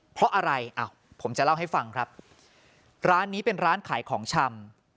เพราะอะไรอ่ะผมจะเล่าให้ฟังครับร้านนี้เป็นร้านขายของชำ